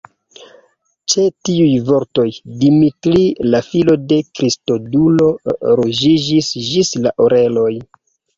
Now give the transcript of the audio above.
Ĉe tiuj vortoj, Dimitri, la filo de Kristodulo, ruĝiĝis ĝis la oreloj.